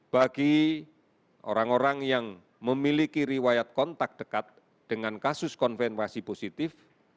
bagi orang orang yang memiliki riwayat kontak dekat dengan kasus konfirmasi positif